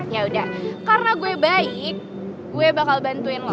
yaudah karena gue baik gue bakal bantuin lo